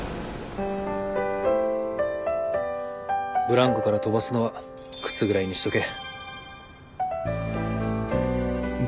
ブランコから飛ばすのは靴ぐらいにしとけ。